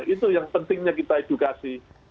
itu yang pentingnya kita edukasi